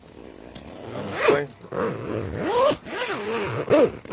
Nkueng.